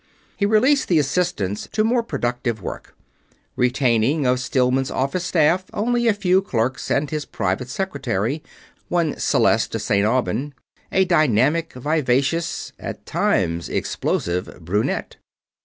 He released the Assistants to more productive work; retaining of Stillman's office staff only a few clerks and his private secretary, one Celeste de St. Aubin, a dynamic, vivacious at times explosive brunette.